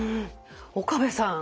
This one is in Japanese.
岡部さん。